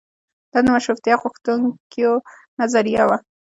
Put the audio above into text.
دا د مشروطیه غوښتونکیو نظریه وه.